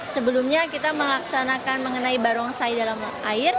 sebelumnya kita melaksanakan mengenai barong sai dalam air